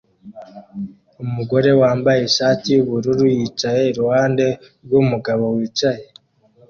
Umugore wambaye ishati yubururu yicaye iruhande rwumugabo wicaye